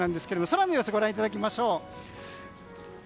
空の様子ご覧いただきましょう。